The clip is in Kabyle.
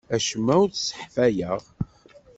Acemma ur t-sseḥfayeɣ.